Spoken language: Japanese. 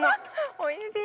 おいしい！